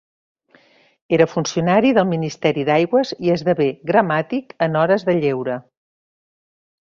Era funcionari del ministeri d'aigües i esdevé gramàtic en hores de lleure.